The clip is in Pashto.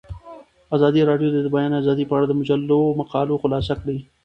ازادي راډیو د د بیان آزادي په اړه د مجلو مقالو خلاصه کړې.